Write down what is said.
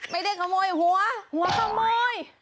ไม่ได้ขโมยหัวหัวขโมย